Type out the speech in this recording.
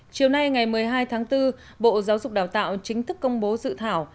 chiều nay ngày một mươi hai tháng bốn bộ giáo dục đào tạo chính thức công bố dự thảo